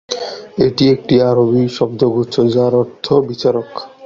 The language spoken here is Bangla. এটি একটি আরবি শব্দগুচ্ছ যার অর্থ বিচারক।